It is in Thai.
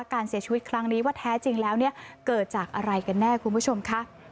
การเสียชีวิตครั้งนี้ว่าแท้จริงแล้วเนี่ยเกิดจากอะไรกันแน่คุณผู้ชมค่ะ